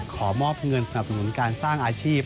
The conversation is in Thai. ขอมอบเงินสนับสนุนการสร้างอาชีพ